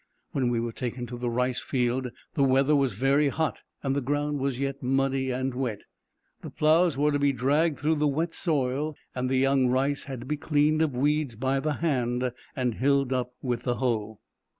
When we were taken to the rice field, the weather was very hot, and the ground was yet muddy and wet. The ploughs were to be dragged through the wet soil, and the young rice had to be cleaned of weeds, by the hand, and hilled up with the hoe.